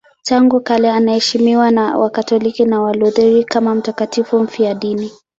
Tangu kale anaheshimiwa na Wakatoliki na Walutheri kama mtakatifu mfiadini.